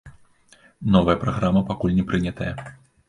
Новая праграма пакуль не прынятая.